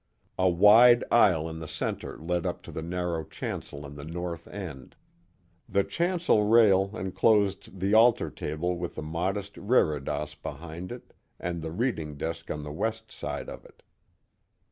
A wide aisle in the centre led up to the narrow chancel in the north end. The chancel rail enclosed the altar table with a modest reredos behind it and the reading desk on the west side of it.